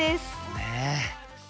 ねえ。